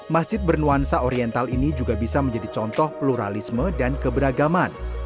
masjid bernuansa oriental ini juga bisa menjadi contoh pluralisme dan keberagaman